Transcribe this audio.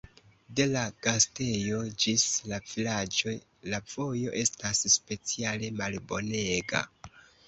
De la gastejo ĝis la vilaĝo, la vojo estas speciale malbonega.